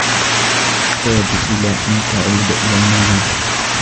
تحتاج إلى أن تعود إلى المنزل.